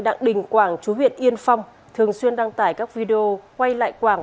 đặng đình quảng chú huyện yên phong thường xuyên đăng tải các video quay lại quảng